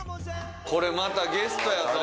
これまたゲストやぞ。